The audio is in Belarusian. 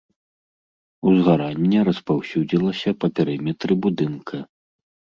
Узгаранне распаўсюдзілася па перыметры будынка.